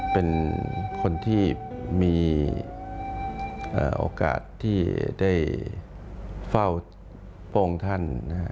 เป็นคนที่มีโอกาสที่ได้เฝ้าพระองค์ท่าน